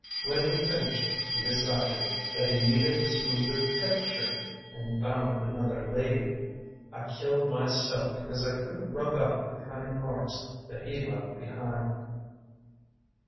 When he finished he decided That he needed a smoother texture, And found another lady. I killed myself because I couldn't rub out The cunning marks that he left behind.